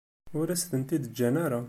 Ur as-tent-id-ǧǧan ara.